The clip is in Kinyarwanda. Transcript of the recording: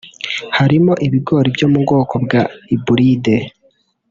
harimo ibigori byo mu bwoko bwa hybride